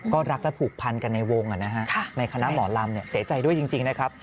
ก็รักและผูกพันกันในวงในคณะหมอลำเสียใจด้วยจริงนะครับ